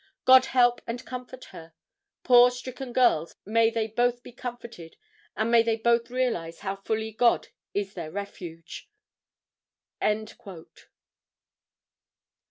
God help and comfort her. Poor stricken girls, may they both be comforted, and may they both realize how fully God is their refuge."